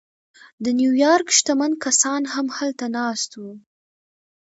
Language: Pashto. د نیویارک شتمن کسان هم هلته ناست وو